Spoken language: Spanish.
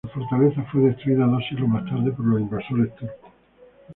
La fortaleza fue destruida dos siglos más tarde por los invasores turcos.